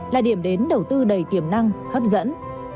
là điểm đến đầu tư đầy tiềm năng hấp dẫn